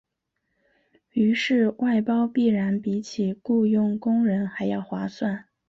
于是外包必然比起雇用工人还要划算。